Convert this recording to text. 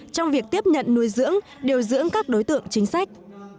trong việc tiếp nhận nuôi dưỡng điều dưỡng các đối tượng chính sách